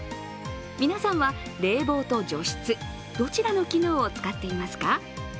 皆さんは冷房と除湿どちらの機能を使っていますか？